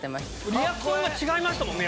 リアクションが違いましたもんね。